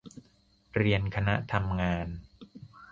เรียนคณะทำงาน